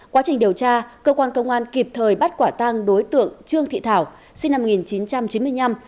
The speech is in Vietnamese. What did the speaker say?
quá trình điều tra cơ quan công an kịp thời bắt quả tang đối tượng trương thị thảo sinh năm một nghìn chín trăm chín mươi năm